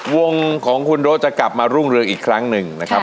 วงของคุณโด๊จะกลับมารุ่งเรืองอีกครั้งหนึ่งนะครับ